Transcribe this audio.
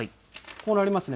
こうなりますね。